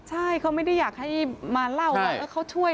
ใช่เขาไม่ได้อยากให้มาเล่าว่าเขาช่วย